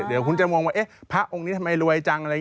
เดี๋ยวคุณจะมองว่า